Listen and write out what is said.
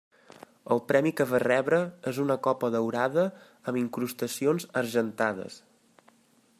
El premi que va rebre és una copa daurada amb incrustacions argentades.